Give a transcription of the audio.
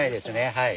はい。